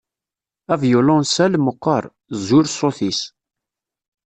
Avyulunsal meqqer, zur ṣṣut-is.